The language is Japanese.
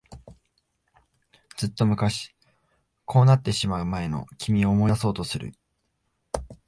ずっと昔、こうなってしまう前の君を思い出そうとする。